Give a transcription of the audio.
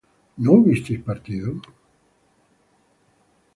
¿no hubisteis partido?